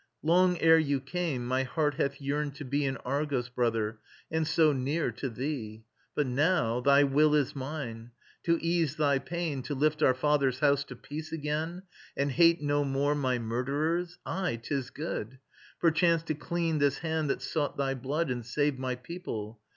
Long ere you came my heart hath yearned to be In Argos, brother, and so near to thee: But now thy will is mine. To ease thy pain, To lift our father's house to peace again, And hate no more my murderers aye,'tis good. Perchance to clean this hand that sought thy blood, And save my people...